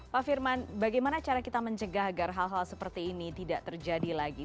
pak firman bagaimana cara kita mencegah agar hal hal seperti ini tidak terjadi lagi